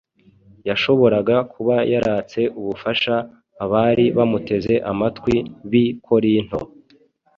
Yashoboraga kuba yaratse ubufasha abari bamuteze amatwi b’i Korinto;